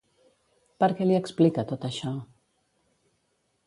Per què li explica tot això?